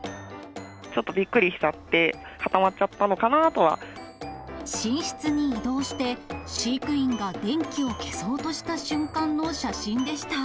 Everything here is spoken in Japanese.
ちょっとびっくりしちゃって、寝室に移動して、飼育員が電気を消そうとした瞬間の写真でした。